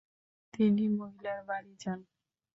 তিনি মহিলার বাড়ি যান।